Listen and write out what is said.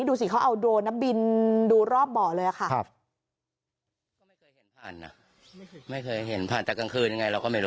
ดูสิเขาเอาโดรนบินดูรอบบ่อเลยค่ะ